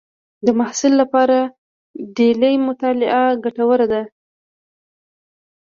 د محصل لپاره ډلې مطالعه ګټوره ده.